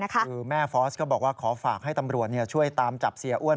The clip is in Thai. คือแม่ฟอสก็บอกว่าขอฝากให้ตำรวจช่วยตามจับเสียอ้วน